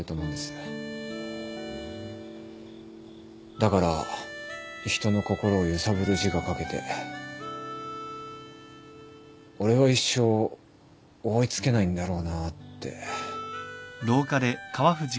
だから人の心を揺さぶる字が書けて俺は一生追い付けないんだろうなって。